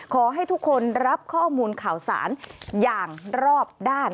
ขอให้ทุกคนรับข้อมูลข่าวสารอย่างรอบด้าน